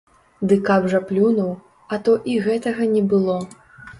Ды каб жа плюнуў, а то і гэтага не было.